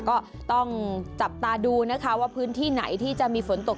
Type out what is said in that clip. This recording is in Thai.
ก็ต้องจับตาดูนะคะว่าพื้นที่ไหนที่จะมีฝนตก